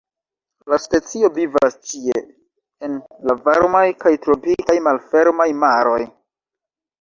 La specio vivas ĉie en la varmaj kaj tropikaj malfermaj maroj.